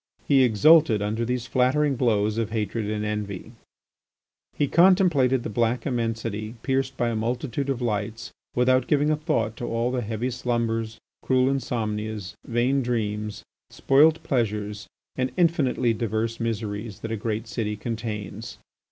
He exulted under these flattering blows of hatred and envy. He contemplated the black immensity pierced by a multitude of lights, without giving a thought to all the heavy slumbers, cruel insomnias, vain dreams, spoilt pleasures, and infinitely diverse miseries that a great city contains.